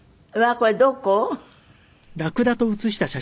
これどこ？